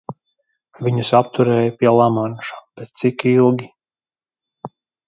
Viņus apturēja pie Lamanša, bet cik ilgi?